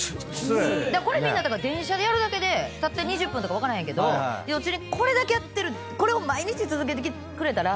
これみんな電車でやるだけでたった２０分とか分からへんけど移動中にこれだけやってるこれを毎日続けてくれたら。